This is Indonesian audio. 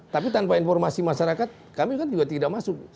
tapi tanpa informasi masyarakat kami kan juga tidak masuk